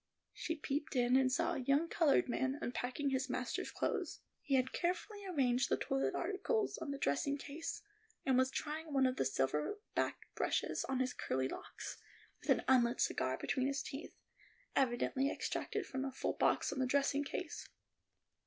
She peeped in, and saw a young colored man unpacking his master's clothes. He had carefully arranged the toilet articles on the dressing case, and was trying one of the silver backed brushes on his curly locks, with an unlit cigar between his teeth, evidently extracted from a full box on the dressing case.